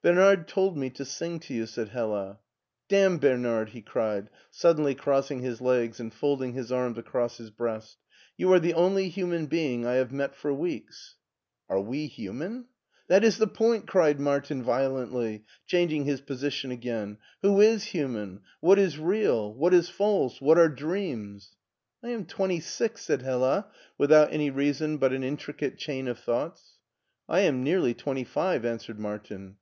Bernard told me to sing to you," said Hella. Damn Bernard !" he cried, suddenly crossing his legs and folding his arms across his breast. "You are the only human being I have met for weeks." " Are we human ?"" That is the point," cried Martin violently, changr ing his position again ;" who is human ? what is real ? what is false? what are dreams?" " I am twenty six," said Hella, without any reason but an intricate chain of thoughts. "I am nearly twenty five," answered Martin.